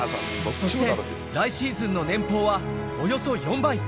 そして来シーズンの年俸はおよそ４倍。